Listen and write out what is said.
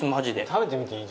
食べてみていい？